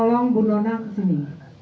tolong bu nona ke sini